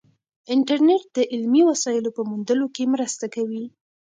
انټرنیټ د علمي وسایلو په موندلو کې مرسته کوي.